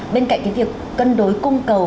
bên cạnh cái việc cân đối cung cầu